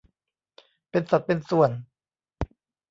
เป็นสัดเป็นส่วน